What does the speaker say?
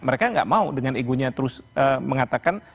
mereka gak mau dengan igunya terus mengatakan